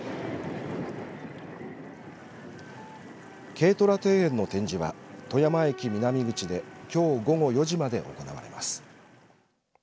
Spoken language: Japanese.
軽トラ庭園の展示は富山駅南口できょう午後４時まで行われます。